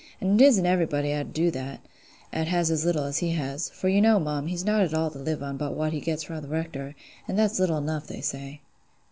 An' it isn't everybody 'at 'ud do that, 'at has as little as he has: for you know, mum, he's nowt at all to live on but what he gets fra' th' Rector, an' that's little enough they say."